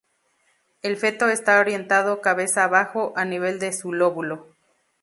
El feto está orientado cabeza abajo, a nivel de su lóbulo.